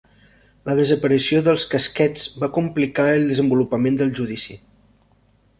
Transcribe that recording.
La desaparició dels casquets va complicar el desenvolupament del judici.